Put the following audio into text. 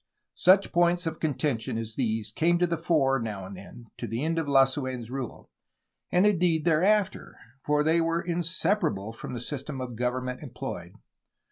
Such points of contention as these came to the fore now and then to the end of Lasu6n*s rule, and indeed, thereafter, for they were inseparable from the system of government employed.